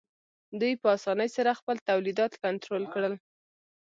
دوی په اسانۍ سره خپل تولیدات کنټرول کړل